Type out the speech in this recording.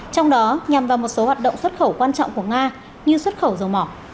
trong đó nhằm vào một số hoạt động xuất khẩu quan trọng của nga như xuất khẩu dầu mỏ